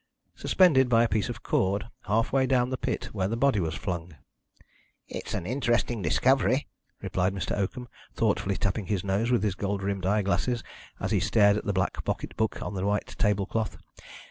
"Suspended by a piece of cord, half way down the pit where the body was flung." "It's an interesting discovery," replied Mr. Oakham thoughtfully tapping his nose with his gold rimmed eye glasses as he stared at the black pocket book on the white tablecloth.